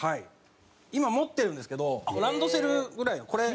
今持ってるんですけどランドセルぐらいのこれ。